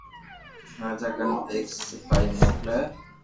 راجا ڪنو ايڪ سپايو موڪلي